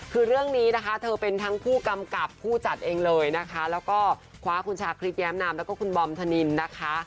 คือเรื่องนี้นะคะเธอเป็นทั้งผู้กำกับผู้จัดเองเลยนะคะแล้วก็คว้าคุณชาคริสแย้มนามแล้วก็คุณบอมธนินนะคะ